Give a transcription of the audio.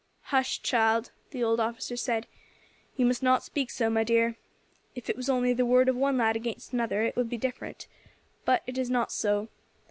"Hush! child," the old officer said; "you must not speak so, my dear. If it was only the word of one lad against another, it would be different; but it is not so.